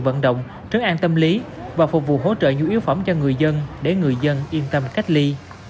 vận động trấn an tâm lý và phục vụ hỗ trợ nhu yếu phẩm cho người dân để người dân yên tâm cách ly